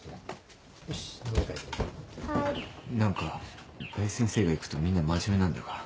何か大先生が行くとみんな真面目なんだが。